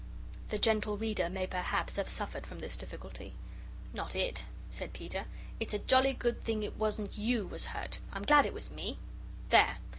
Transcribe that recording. (The Gentle Reader may perhaps have suffered from this difficulty.) "Not it," said Peter; "it's a jolly good thing it wasn't you was hurt. I'm glad it was ME. There!